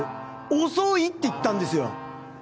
遅いって言ったんですよ。